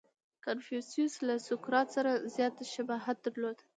• کنفوسیوس له سوکرات سره زیات شباهت درلود.